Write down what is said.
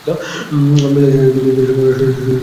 বিলাইছড়ি উপজেলা সদর এ ইউনিয়নে অবস্থিত।